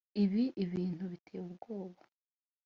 ibi ibintu biteye ubwoba